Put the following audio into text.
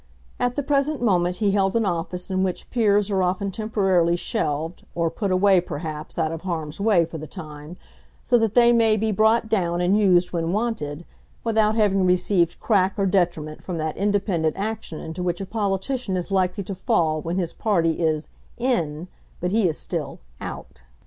At the present moment he held an office in which peers are often temporarily shelved, or put away, perhaps, out of harm's way for the time, so that they may be brought down and used when wanted, without having received crack or detriment from that independent action into which a politician is likely to fall when his party is "in" but he is still "out".